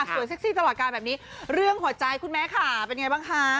ส่วนเซ็กซี่ตลอดการแบบนี้เรื่องหัวใจคุณแม่ค่ะเป็นไงบ้างคะ